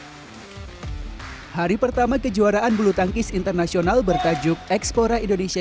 hai hari pertama kejuaraan bulu tangkis internasional bertajuk ekspora indonesia